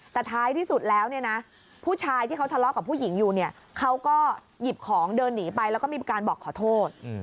แต่ท้ายที่สุดแล้วเนี่ยนะผู้ชายที่เขาทะเลาะกับผู้หญิงอยู่เนี่ยเขาก็หยิบของเดินหนีไปแล้วก็มีการบอกขอโทษ